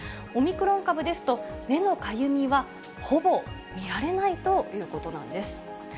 オミクロン株ですと、目のかゆみはほぼ見られないということなんです。